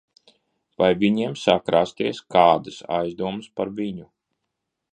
Vai viņiem sāk rasties kādas aizdomas par viņu?